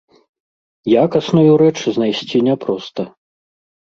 Якасную рэч знайсці няпроста.